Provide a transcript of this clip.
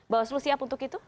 bawaslu siap untuk itu